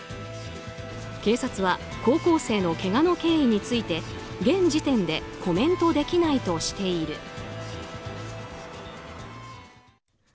警察は高校生のけがの経緯について現時点でコメントできないとしている。